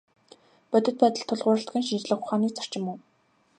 Бодит байдалд тулгуурладаг нь шинжлэх ухааны зарчим мөн.